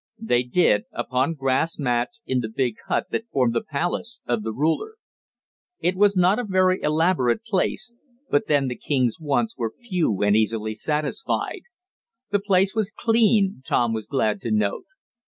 They did, upon grass mats in the big hut that formed the palace of the ruler. It was not a very elaborate place, but then the king's wants were few and easily satisfied. The place was clean, Tom was glad to note.